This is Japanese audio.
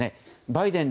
バイデン